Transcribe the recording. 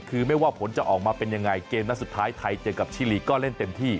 คือไม่ว่าผลจะออกมาเป็นยังไงเกมนัดสุดท้ายไทยเจอกับชิลีก็เล่นเต็มที่